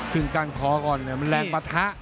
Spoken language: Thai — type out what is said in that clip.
ขึ้นกล้างคอก่อนแรงปะทะ